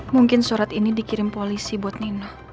mungkin surat ini dikirim polisi buat nino